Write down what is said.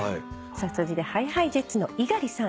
続いてＨｉＨｉＪｅｔｓの猪狩さん